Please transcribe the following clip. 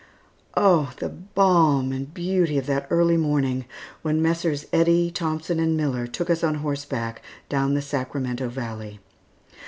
Oh, the balm and beauty of that early morning when Messrs. Eddy, Thompson, and Miller took us on horseback down the Sacramento Valley.